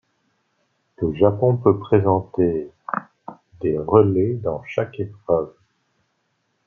Le Japon peut présenter des relais dans chaque épreuve.